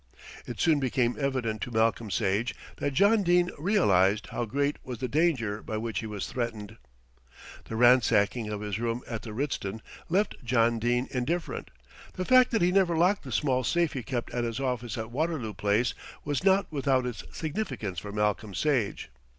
It soon became evident to Malcolm Sage that John Dene realised how great was the danger by which he was threatened. The ransacking of his room at the Ritzton left John Dene indifferent. The fact that he never locked the small safe he kept at his office at Waterloo Place was not without its significance for Malcolm Sage.